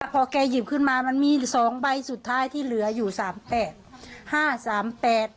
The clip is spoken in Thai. พอแกหยิบขึ้นมามันมีสองใบสุดท้ายที่เหลืออยู่สามแปดห้าสามแปด